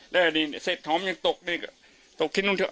แล้วอันนี้เซธถอมยังตกตกขี้ลงคเหลค่ะ